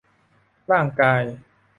ร่างกาย